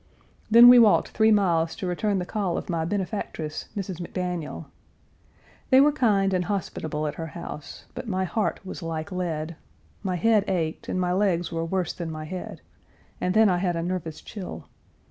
Then we walked three miles to return the call of my benefactress, Mrs. McDaniel. They were kind and hospitable at her house, but my heart was like lead; my head ached, and my legs were worse than my head, and then I had a nervous chill.